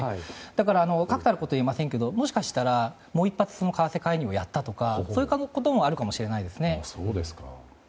だから確たることは言えませんがもしかしたら、もう一発為替介入をやったとかそういうこともあるかもしれないですね。